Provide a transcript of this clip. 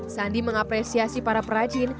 sandi mengapresiasi para perajin